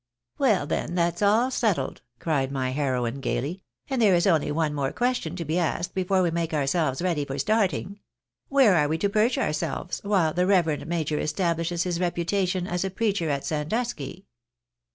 " Well, then, that's all settled," cried my heroine, gaily, " and there is only one more question to be asked before we make our selves ready for starting. Where are we to perch ourselves while the reverend major establishes his reputation as a preacher at Sandusky